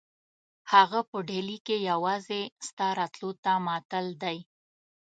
هغه په ډهلي کې یوازې ستا راتلو ته معطل دی.